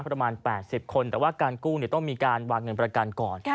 ประมาณ๘๐คนแต่ว่าการกู้ต้องมีการวางเงินประกันก่อน